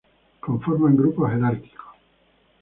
Conforman grupos jerárquicos.